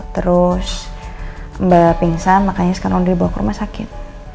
terus mbak pingsan makanya sekarang dibawa ke rumah sakit